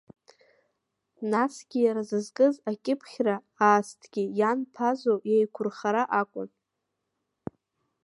Насгьы иара зызкыз акьыԥхьра аасҭагьы Иан Ԥазоу иеиқәырхара акәын.